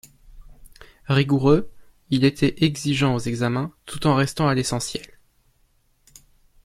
Rigoureux, il était exigeant aux examens, tout en en restant à l’essentiel.